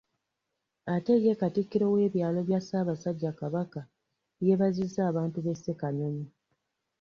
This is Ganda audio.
Ate ye Katikkiro w’ebyalo bya Ssaabasajja Kabaka, yeebazizza abantu b’e Ssekanyonyi.